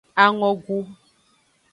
Angogu.